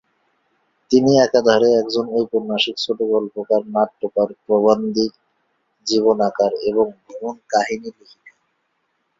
তিনি একাধারে একজন ঔপন্যাসিক, ছোটগল্পকার, নাট্যকার, প্রাবন্ধিক, জীবনীকার এবং ভ্রমণকাহিনী লেখিকা।